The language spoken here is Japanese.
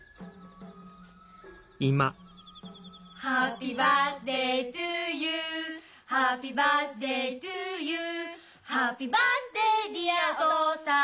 「ハッピーバースデートゥユーハッピーバースデートゥユー」「ハッピーバースデーディアお父さん」